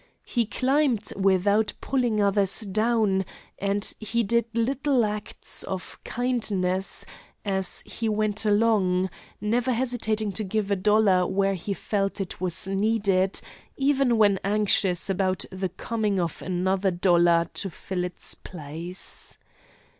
He climbed without pulling others down; and he did little acts of kindness as he went along, never hesitating to give a dollar where he felt it was needed, even when anxious about the coming of another dollar to fill its place.